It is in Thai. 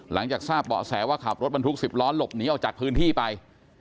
หลังจากทราบเบาะแสว่าขับรถบรรทุก๑๐ล้อหลบหนีออกจากพื้นที่ไป